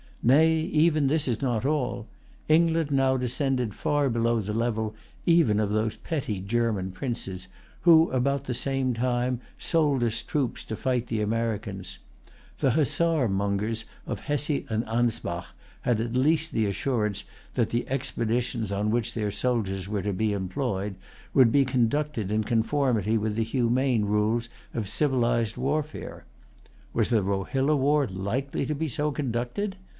Nay, even this is not all. England now descended far below the level even of those petty German princes who, about the same time, sold us troops to fight the Americans. The hussar mongers of Hesse and Anspach had at least the assurance that the expeditions[Pg 141] on which their soldiers were to be employed would be conducted in conformity with the humane rules of civilized warfare. Was the Rohilla war likely to be so conducted?